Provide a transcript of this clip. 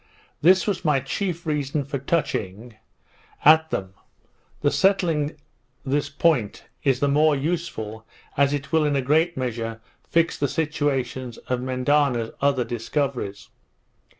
This was my chief reason for touching, at them; the settling this point is the more useful, as it will in a great measure fix the situations of Mendana's other discoveries.